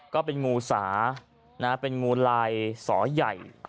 ก็เป็นงูสาเป็นงูลายสอใหญ่